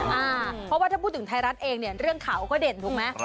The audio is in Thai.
เพราะว่าถ้าพูดถึงไทยรัฐเองเนี่ยเรื่องเขาก็เด่นถูกไหม